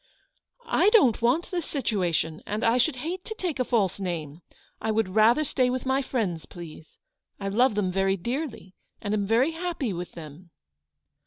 " I don't want this situation, and I should hate to take a false name. I would rather stay with my friends, please. I love them very dearly, and am very happy with them."